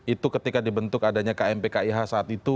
itu ketika dibentuk adanya kmp kih saat itu